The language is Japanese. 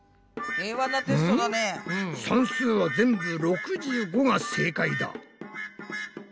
算数は全部「６５」が正解だ。